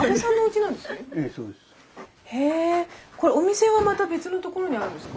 お店はまた別のところにあるんですか？